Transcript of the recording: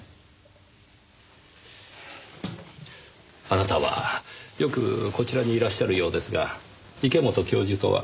あなたはよくこちらにいらっしゃるようですが池本教授とは？